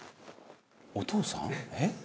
お父さん？」